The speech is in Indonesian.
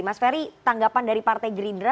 mas ferry tanggapan dari partai gerindra